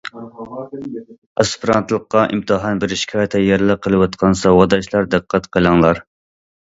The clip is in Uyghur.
ئاسپىرانتلىققا ئىمتىھان بېرىشكە تەييارلىق قىلىۋاتقان ساۋاقداشلار دىققەت قىلىڭلار!